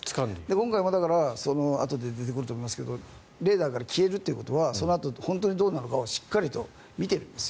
今回もあとで出てくると思いますがレーダーから消えるということはそのあと本当にどうなのかをしっかりと見ているんです。